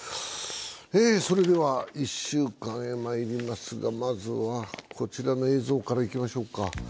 それでは一週間へまいりますが、まずはこちらの映像からいきましょうか。